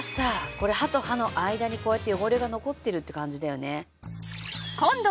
これ歯と歯の間にこうやって汚れが残ってるって感じだよね。